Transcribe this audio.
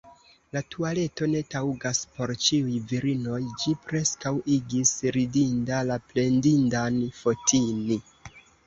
La tualeto ne taŭgas por ĉiuj virinoj: ĝi preskaŭ igis ridinda la plendindan Fotini.